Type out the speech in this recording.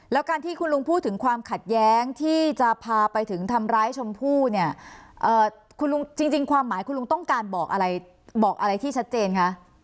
แล้วการที่คุณลุงพูดถึงความขัดแย้งที่จะพาไปถึงทำร้ายชมพู่เนี่ยคุณลุงจริงความหมายคุณลุงต้องการบอกอะไรบอกอะไรที่ชัดเจนคะ